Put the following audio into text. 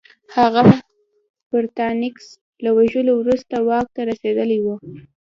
هغه پرتیناکس له وژلو وروسته واک ته رسېدلی و